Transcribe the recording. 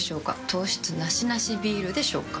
糖質ナシナシビールでしょうか？